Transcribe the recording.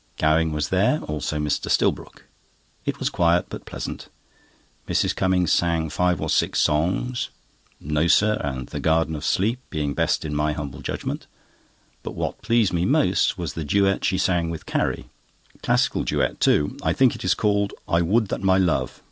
Gowing was there, also Mr. Stillbrook. It was quiet but pleasant. Mrs. Cummings sang five or six songs, "No, Sir," and "The Garden of Sleep," being best in my humble judgment; but what pleased me most was the duet she sang with Carrie—classical duet, too. I think it is called, "I would that my love!"